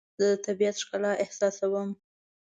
زه د طبیعت ښکلا احساسوم.